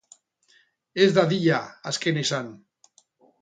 Ez dadila azkena izan.